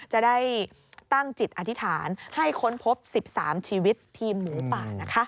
จะได้ตั้งจิตอธิษฐานให้ค้นพบ๑๓ชีวิตทีมหมูป่านะคะ